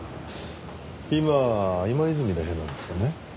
今今泉の部屋なんですけどね。